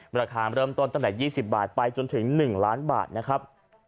ราคาเริ่มต้นตั้งแต่๒๐บาทไปจนถึง๑ล้านบาทนะครับ